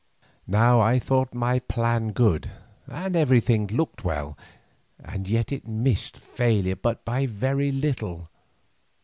Now I thought my plan good, and everything looked well, and yet it missed failure but by a very little.